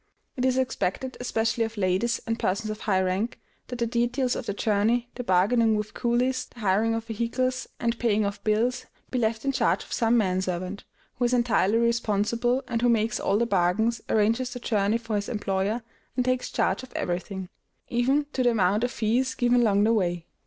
It is expected, especially of ladies and persons of high rank, that the details of the journey, the bargaining with coolies, the hiring of vehicles, and paying of bills, be left in charge of some manservant, who is entirely responsible, and who makes all the bargains, arranges the journey for his employer, and takes charge of everything, even to the amount of fees given along the way.